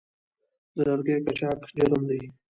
د لرګیو قاچاق جرم دی